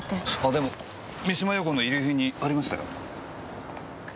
あでも三島陽子の遺留品にありましたよ。